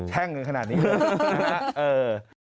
แช่งขนาดนี้เลย